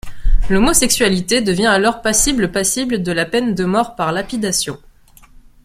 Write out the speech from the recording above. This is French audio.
L'homosexualité devient alors passible passible de la peine de mort par lapidation.